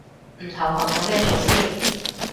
唔投降有咩做先